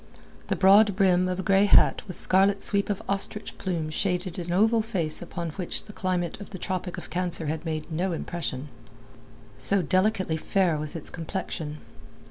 The broad brim of a grey hat with scarlet sweep of ostrich plume shaded an oval face upon which the climate of the Tropic of Cancer had made no impression, so delicately fair was its complexion.